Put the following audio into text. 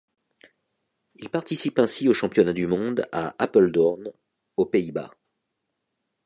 Il participe ainsi aux championnats du monde à Apeldoorn, aux Pays-Bas.